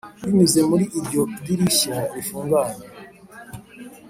binyuze muri iryo dirishya rifunguye.